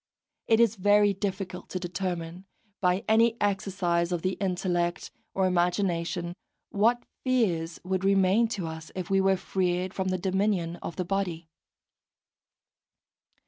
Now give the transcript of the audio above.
It is very difficult to determine, by any exercise of the intellect or imagination, what fears would remain to us if we were freed from the dominion of the body.